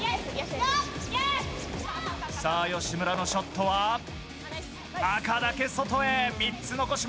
吉村のショットは赤だけ外へ。